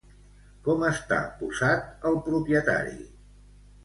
Com està posat el propietari?